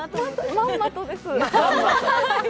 まんまとです。